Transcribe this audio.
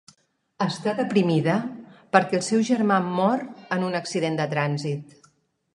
Està deprimida perquè el seu germà mor en un accident de trànsit.